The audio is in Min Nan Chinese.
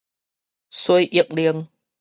洗浴乳